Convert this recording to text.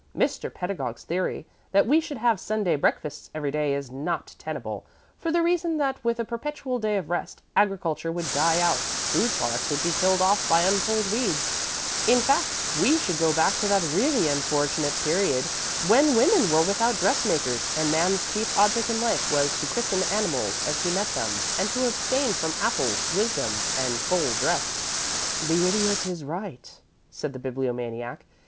Mr. Pedagog's theory that we should have Sunday breakfasts every day is not tenable, for the reason that with a perpetual day of rest agriculture would die out, food products would be killed off by unpulled weeds; in fact, we should go back to that really unfortunate period when women were without dress makers, and man's chief object in life was to christen animals as he met them, and to abstain from apples, wisdom, and full dress." "The Idiot is right," said the Bibliomaniac.